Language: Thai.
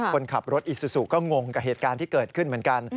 คนขับรถอิซูซูก็งงกับเหตุการณ์ที่เกิดขึ้นเหมือนกัน